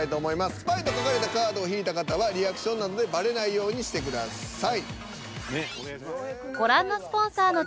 「スパイ」と書かれたカードを引いた方はリアクションなどでバレないようにしてください。